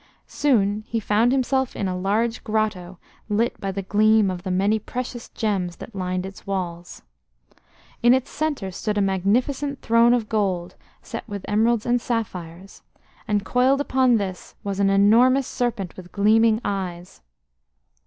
Soon he found himself in a large grotto lit by the gleam of the many precious gems that lined its walls. In its centre stood a magnificent throne of gold, set with emeralds and sapphires, and coiled upon this was an enormous serpent with gleaming eyes.